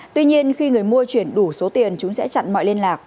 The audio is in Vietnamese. tuy nhiên khi người mua chuyển đủ số tiền chúng sẽ chặn mọi liên lạc